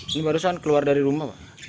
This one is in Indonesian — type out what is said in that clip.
ini barusan keluar dari rumah pak